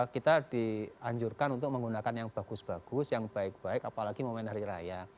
kita dianjurkan untuk menggunakan yang bagus bagus yang baik baik apalagi momen hari raya